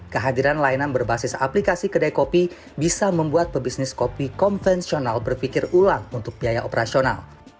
kehadiran layanan berbasis aplikasi kedai kopi bisa membuat pebisnis kopi konvensional berpikir ulang untuk biaya operasional